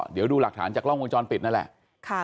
เดี๋ยวดูหลักฐานจากกล้องวงจรปิดนั่นแหละ